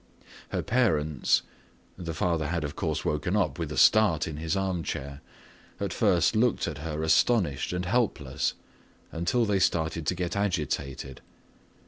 Her parents—the father had, of course, woken up with a start in his arm chair—at first looked at her astonished and helpless, until they started to get agitated.